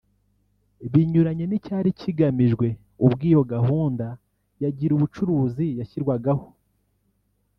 binyuranye n’icyari kigamijwe ubwo iyo gahunda ya Girubucuruzi yashyirwagaho